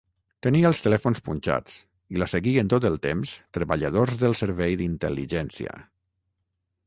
Tenia els telèfons punxats i la seguien tot el temps treballadors dels servei d'intel·ligència.